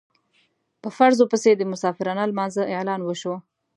په فرضو پسې د مسافرانه لمانځه اعلان وشو.